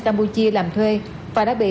campuchia làm thuê và đã bị